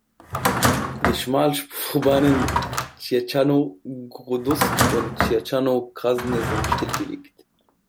Die Schmalspurbahnen Ciechanów–Grudusk und Ciechanów–Krasne sind stillgelegt.